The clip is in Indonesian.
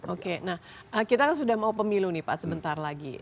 oke nah kita kan sudah mau pemilu nih pak sebentar lagi